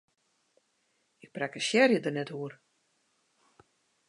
Ik prakkesearje der net oer!